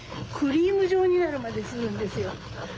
クリーム状になるまでするんですよ。